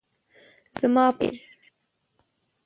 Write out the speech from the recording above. زما په څير